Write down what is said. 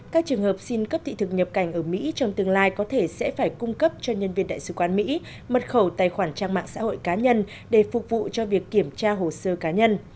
các trường hợp xin cấp thị thực nhập cảnh ở mỹ trong tương lai có thể sẽ phải cung cấp cho nhân viên đại sứ quán mỹ mật khẩu tài khoản trang mạng xã hội cá nhân để phục vụ cho việc kiểm tra hồ sơ cá nhân